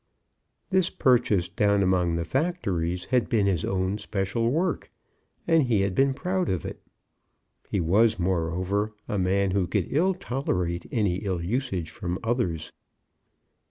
This purchase down among the factories had been his own special work, and he had been proud of it. He was, moreover, a man who could ill tolerate any ill usage from others.